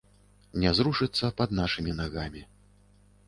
Не зрушыцца пад нашымі нагамі.